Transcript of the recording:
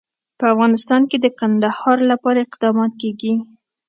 په افغانستان کې د کندهار لپاره اقدامات کېږي.